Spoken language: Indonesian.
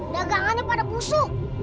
dagangannya pada busuk